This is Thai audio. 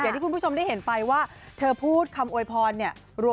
อย่างที่คุณผู้ชมได้เห็นไปว่าเธอพูดคำโอยพร